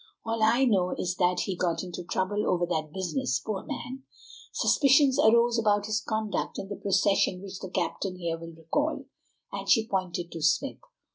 All I know is that he got into trouble over that business, poor man. Suspicions arose about his conduct in the procession which the captain here will recall," and she pointed to Smith.